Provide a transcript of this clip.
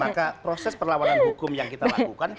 maka proses perlawanan hukum yang kita lakukan